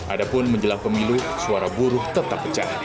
adapun menjelang pemilu suara buruh tetap pecah